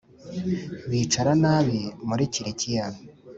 Bicara Nabi muri kilikiya